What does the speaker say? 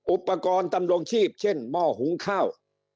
อุปกรณ์ตำรงชีพเช่นหม้อหุงข้าว